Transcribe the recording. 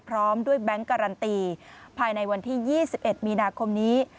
พร้อมด้วยแบงค์การันตีภายในวันที่๒๑มีนาคมนี้